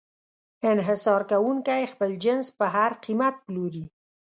انحصار کوونکی خپل جنس په هر قیمت پلوري.